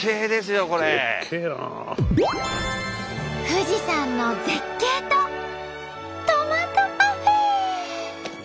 富士山の絶景とトマトパフェ！